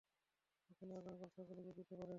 আপনি আগামীকাল সকালে যোগ দিতে পারেন।